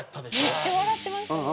めっちゃ笑ってましたね。